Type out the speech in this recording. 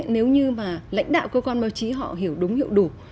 nếu như mà lãnh đạo cơ quan báo chí họ hiểu đúng hiểu đủ